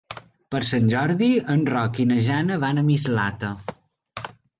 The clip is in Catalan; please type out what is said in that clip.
Per Sant Jordi en Roc i na Jana van a Mislata.